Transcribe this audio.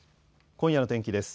今夜の天気です。